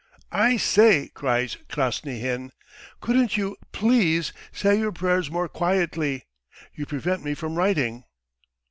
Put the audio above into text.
"I say!" cries Krasnyhin. "Couldn't you, please, say your prayers more quietly? You prevent me from writing!"